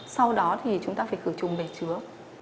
sau đó thì chúng ta phải khử trùng bề chứa